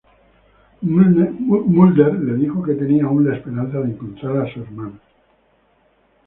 Mulder le dijo que tenía aún la esperanza de encontrar a su hermana.